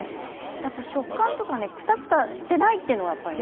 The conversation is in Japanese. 食感もくたくたしてないというのもね。